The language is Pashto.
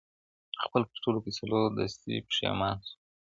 خپل پر ټولو فیصلو دستي پښېمان سو-